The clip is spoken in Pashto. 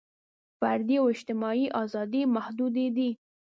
فردي او اجتماعي ازادۍ محدودې دي.